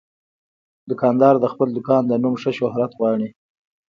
دوکاندار د خپل دوکان د نوم ښه شهرت غواړي.